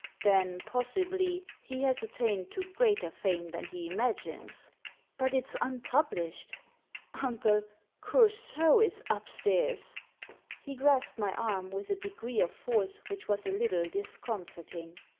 Then, possibly, he has attained to greater fame than he imagines." "But it's unpublished Uncle, Coursault is up stairs!" « He grasped my arm with a degree of force which was a little disconcerting.